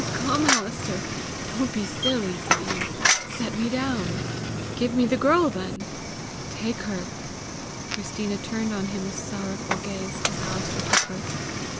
come, Alister! don't be silly!" said Ian. "Set me down!" "Give me the girl then." "Take her!" Christina turned on him a sorrowful gaze as Alister took her.